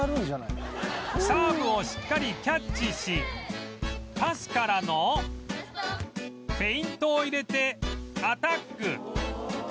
サーブをしっかりキャッチしパスからのフェイントを入れてアタック